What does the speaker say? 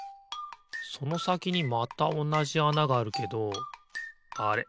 そのさきにまたおなじあながあるけどあれ？